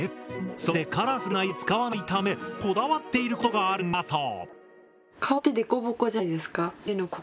そしてカラフルな色を使わないためこだわっていることがあるんだそう。